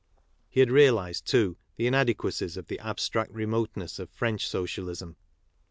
He had realized, too, the inadequacies of the abstract remoteness of French Socialism